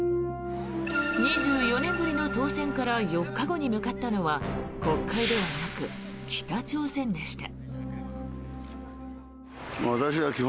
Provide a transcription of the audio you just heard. ２４年ぶりの当選から４日後に向かったのは国会ではなく北朝鮮でした。